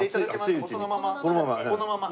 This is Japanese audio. このまま。